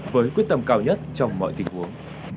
với quyết tâm cao nhất trong mọi tình huống